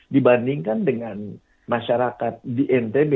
dibandingkan dengan masyarakat di ntb